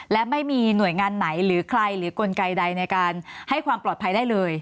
และไม่มีหน่วยงานไหนหรือใครหรือกลไกใดในการให้ความปลอดภัยได้เลย